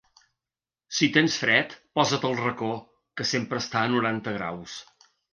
Si tens fred, posa’t al racó, que sempre està a noranta graus.